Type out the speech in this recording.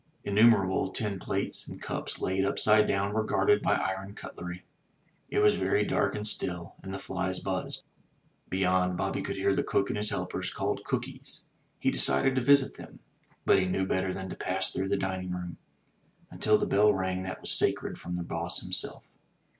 Innumerable tin plates and cups laid upside down were guarded by iron cutlery. It was very dark and still, and the flies buzzed. Beyond, Bobby could hear the cook and his helpers, called cookees. He decided to visit them; but he knew better than to pass through the dining room. Until the bell rang, that was sacred from the boss himself.